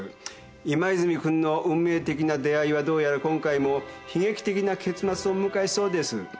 今泉君の運命的な出会いはどうやら今回も悲劇的な結末を迎えそうです。